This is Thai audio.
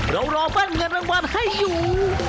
เรารอว่าเงินรางวัลให้อยู่